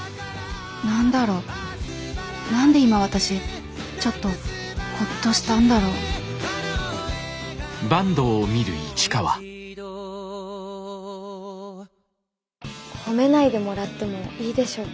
何だろう何で今私ちょっとほっとしたんだろう褒めないでもらってもいいでしょうか。